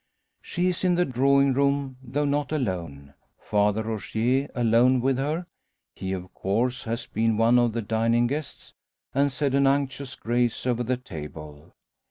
She is in the drawing room, though not alone Father Rogier alone with her. He, of course, has been one of the dining guests, and said an unctuous grace over the table.